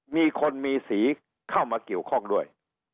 มีคนมีสีเข้ามาเกี่ยวข้องด้วย